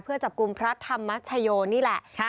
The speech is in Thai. เพื่อจับกลุ่มพระธรรมชโยนี่แหละ